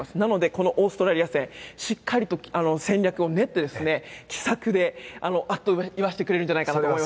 このオーストラリア戦しっかりと戦略を練って奇策であっと言わしてくれると思います。